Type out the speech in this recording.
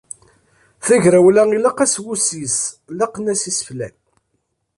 Tagrawla ilaq-as wussis, laqen-as iseflan.